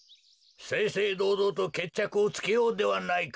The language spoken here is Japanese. せいせいどうどうとけっちゃくをつけようではないか。